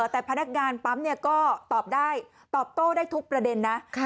แต่พนักงานปั๊มก็ตอบได้ตอบโต้ได้ทุกประเด็นนะ